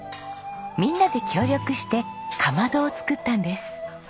みんなで協力してかまどを作ったんです。